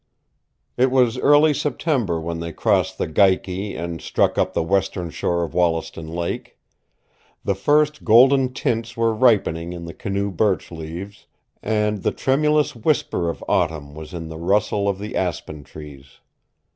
It was early September when they crossed the Geikie and struck up the western shore of Wollaston Lake. The first golden tints were ripening in the canoe birch leaves, and the tremulous whisper of autumn was in the rustle of the aspen trees.